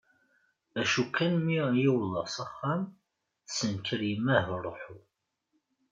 Acu kan mi i wḍeɣ s axxam tessenker yemma ahruḥu.